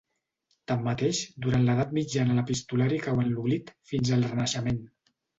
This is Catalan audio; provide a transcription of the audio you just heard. Tanmateix, durant l'Edat mitjana l'epistolari cau en l'oblit fins al Renaixement.